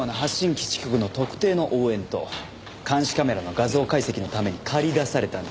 基地局の特定の応援と監視カメラの画像解析のために駆り出されたんです。